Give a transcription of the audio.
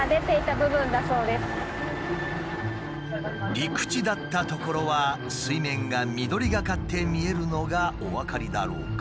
陸地だった所は水面が緑がかって見えるのがお分かりだろうか？